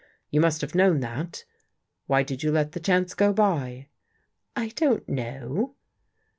You must have known that. Why did you let the chance go by? "" I don't know."